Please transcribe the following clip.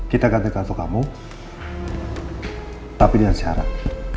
kita ganti kartu kamu tapi dengan syarat